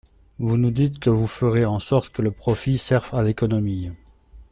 Vous nous dites que vous ferez en sorte que le profit serve à l’économie.